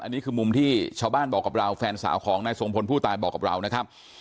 อันนี้คือมุมที่ชาวบ้านบอกกับเราแฟนสาวของนายทรงพลผู้ตายบอกกับเรานะครับ